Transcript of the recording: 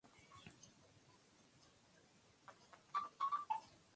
Ameongea na Dokta Sidi Ould Tah Ikulu Chamwino mkoani Dodoma